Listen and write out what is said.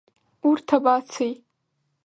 Урҭ абацеи?